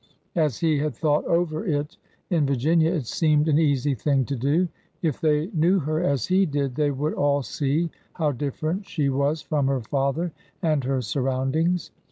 As he had thought over it in Virginia, it seemed an easy thing to do. If they knew her as he did, they would all see how different she was from her father and her surroundings.